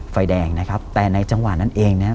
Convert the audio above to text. ไฟแดงนะครับแต่ในจังหวะนั้นเองเนี่ย